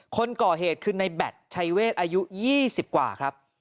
คนก่อเหตุคือในแบตชัยเวทอายุ๒๐กว่าครับ